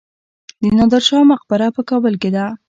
د نادر شاه مقبره په کابل کې ده